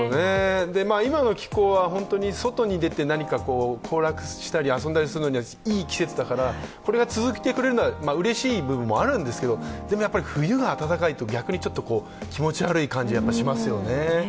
今の気候は外に出て行楽したり遊んだりするにはいい季節だから、これが続いてくれるのはうれしい部分があるんですけどでもやっぱり冬が暖かいと逆に気持ち悪い感じがしますよね。